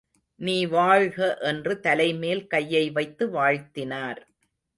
நீ வாழ்க! என்று தலைமேல் கையை வைத்து வாழ்த்தினார்.